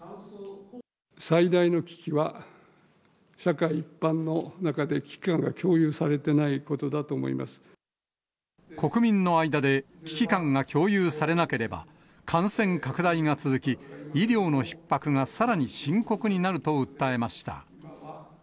最大の危機は社会一般の中で、危機感が共有されてないことだと国民の間で危機感が共有されなければ、感染拡大が続き、医療のひっ迫がさらに深刻になると訴えました。